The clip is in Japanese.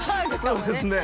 そうですね。